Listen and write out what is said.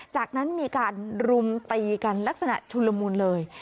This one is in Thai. จากนั้นมีการรุมตีกันลักษณะชุลมูลเลย